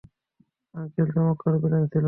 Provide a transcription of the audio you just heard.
Uncle, চমৎকার plan ছিল।